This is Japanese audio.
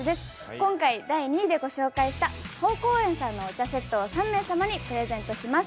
今回、第２位でご紹介した豊好園さんのお茶セットを３名様にプレゼントします。